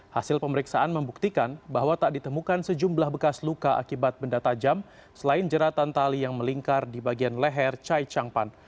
hasil pemeriksaan membuktikan bahwa tak ditemukan sejumlah bekas luka akibat benda tajam selain jeratan tali yang melingkar di bagian leher chai changpan